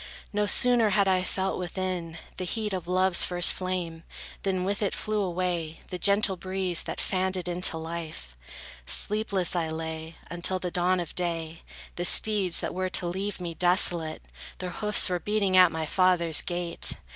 No sooner had I felt within, the heat Of love's first flame, than with it flew away The gentle breeze, that fanned it into life. Sleepless I lay, until the dawn of day; The steeds, that were to leave me desolate, Their hoofs were beating at my father's gate.